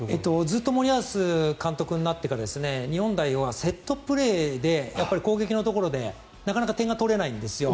ずっと森保監督になってから日本代表はセットプレーで攻撃のところでなかなか点が取れないんですよ。